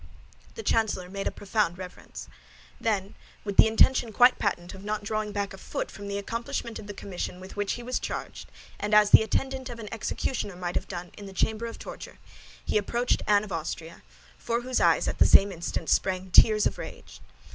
The chancellor made a profound reverence. Then, with the intention quite patent of not drawing back a foot from the accomplishment of the commission with which he was charged, and as the attendant of an executioner might have done in the chamber of torture, he approached Anne of Austria, from whose eyes at the same instant sprang tears of rage.